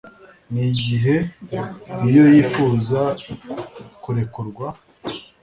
nigihe iyo yifuza kurekurwa